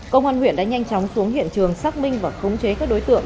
công an huyện đã nhanh chóng xuống hiện trường xác minh và khống chế các đối tượng